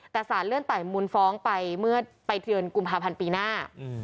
แต่สารเลื่อนไต่มูลฟ้องไปเมื่อไปเดือนกุมภาพันธ์ปีหน้า